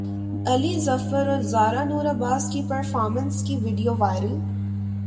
علی ظفر اور زارا نور عباس کی پرفارمنس کی ویڈیو وائرل